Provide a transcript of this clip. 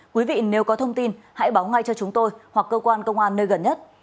quý vị nếu có thông tin hãy báo ngay cho chúng tôi hoặc cơ quan công an nơi gần nhất